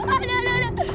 aduh aduh aduh